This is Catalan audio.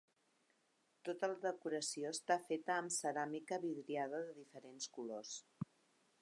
Tota la decoració està feta amb ceràmica vidriada de diferents colors.